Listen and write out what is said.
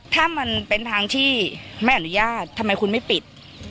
ถ้ามันเป็นทางที่ไม่อนุญาตทำไมคุณไม่ปิด